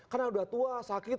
karena sudah tua sakit